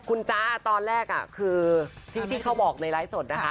คุณจ๊ะตอนแรกคือที่เขาบอกในไลฟ์สดนะคะ